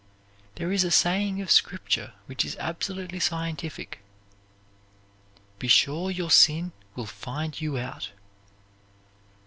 There is a saying of Scripture which is absolutely scientific: "Be sure your sin will find you out."